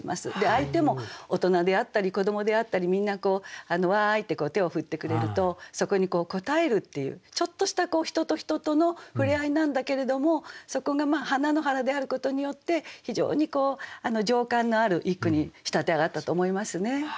相手も大人であったり子どもであったりみんなわいって手を振ってくれるとそこに応えるっていうちょっとした人と人とのふれあいなんだけれどもそこが花野原であることによって非常に情感のある一句に仕立て上がったと思いますね。